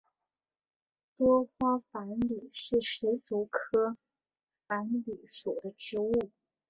多花繁缕是石竹科繁缕属的植物。